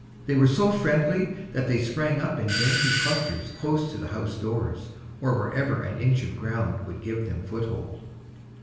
They were so friendly that they sprang up in dainty clusters close to the house doors, or wherever an inch of ground would give them foothold.